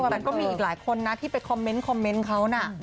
แต่มีอีกหลายคนที่ไปคอมเมนต์เขานะ